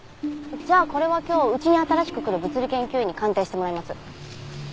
じゃあこれは今日うちに新しく来る物理研究員に鑑定してもらいます。